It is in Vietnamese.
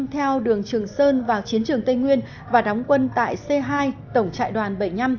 theo đường trường sơn vào chiến trường tây nguyên và đóng quân tại c hai tổng trại đoàn bảy mươi năm